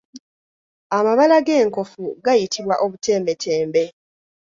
Amabala g’enkofu gayitibwa obutembetembe.